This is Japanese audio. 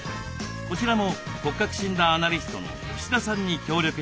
こちらも骨格診断アナリストの吉田さんに協力してもらいました。